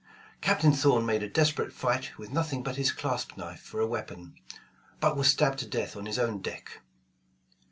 Captain Thorn made a desperate fight with nothing but his clasp knife for a weapon, but was stabbed to death on his own deck.